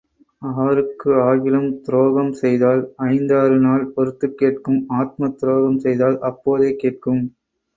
ஆருக்கு ஆகிலும் துரோகம் செய்தால் ஐந்தாறு நாள் பொறுத்துக் கேட்கும் ஆத்மத் துரோகம் செய்தால் அப்போதே கேட்கும்.